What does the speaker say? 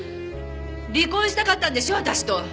離婚したかったんでしょ私と。